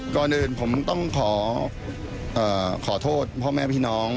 ก่อนอื่นผมต้องขอโทษพ่อแม่พี่น้อง